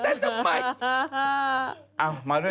เอ่ยแต๊กอะไร